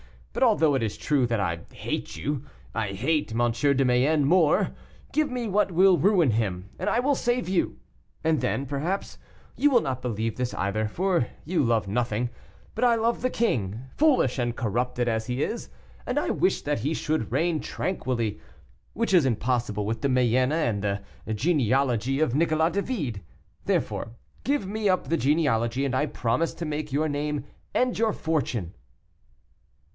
But, although it is true that I hate you, I hate M. de Mayenne more; give me what will ruin him, and I will save you. And then, perhaps, you will not believe this either, for you love nothing; but I love the king, foolish and corrupted as he is, and I wish that he should reign tranquilly which is impossible with the Mayennes and the genealogy of Nicolas David. Therefore, give me up the genealogy, and I promise to make your name and your fortune."